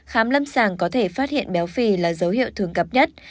khám lâm sàng có thể phát hiện béo phì là dấu hiệu thường gặp nhất